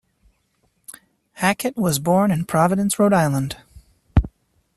Hackett was born in Providence, Rhode Island.